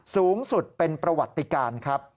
สูงสุดเป็นประวัติการครับ